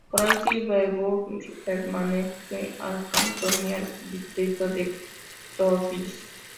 Croissy-Beaubourg pertenece al cantón y al distrito de Torcy.